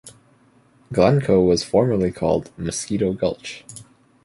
Glencoe was formerly called Mosquito Gulch.